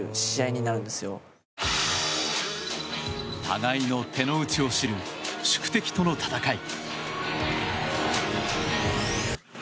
互いの手の内を知る宿敵との闘い。